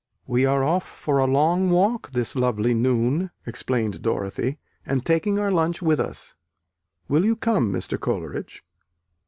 "We are off for a long walk this lovely noon," explained Dorothy, "and taking our lunch with us: will you come, Mr. Coleridge?"